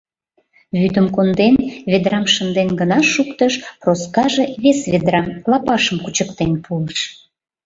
Вӱдым конден, ведрам шынден гына шуктыш, Проскаже вес ведрам — лапашым — кучыктен пуыш.